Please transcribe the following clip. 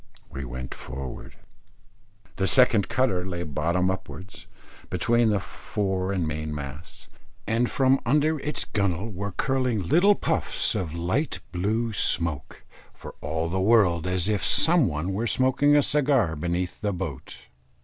We went forward. The second cutter lay bottom upwards, between the fore and main masts, and from under its gunnel were curling little puffs of light blue smoke, for all the world as if some one were smoking a cigar beneath the boat.